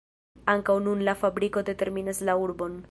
Ankaŭ nun la fabriko determinas la urbon.